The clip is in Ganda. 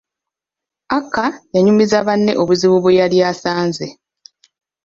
Akaya yanyumiza banne obuzibu bwe yali asanze!